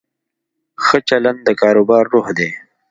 ښه چلند د کاروبار روح دی.